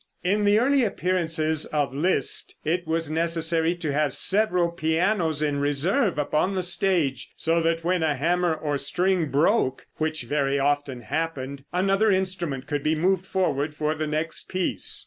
In the early appearances of Liszt it was necessary to have several pianos in reserve upon the stage, so that when a hammer or string broke, which very often happened, another instrument could be moved forward for the next piece.